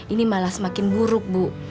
ini malah semakin buruk bu